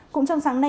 cũng trong sáng nay